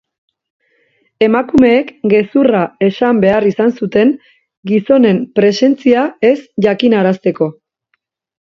Emakumeek gezurra esan behar izan zuten gizonen presentzia ez jakinarazteko.